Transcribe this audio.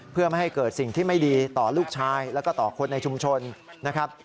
เพื่อไม่ให้เกิดสิ่งที่ไม่ดีต่อลูกชายแล้วก็ต่อคนในชุมชนนะครับ